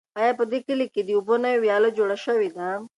آیا په دې کلي کې د اوبو نوې ویاله جوړه شوې ده؟